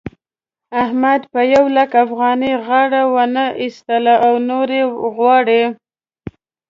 احمد په يو لک افغانۍ غاړه و نه اېسته او نورې غواړي.